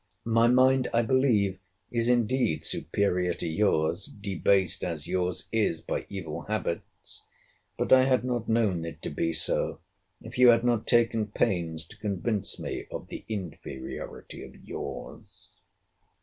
My mind, I believe, is indeed superior to your's, debased as your's is by evil habits: but I had not known it to be so, if you had not taken pains to convince me of the inferiority of your's.